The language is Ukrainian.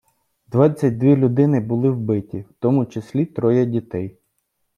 Двадцять дві людини були вбиті, в тому числі троє дітей.